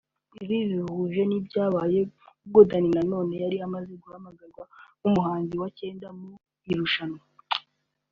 Ibi bihuje n'ibyabaye ubwo Danny Nanone yari amaze guhamagarwa nk’umuhanzi wa cyenda mu irushanwa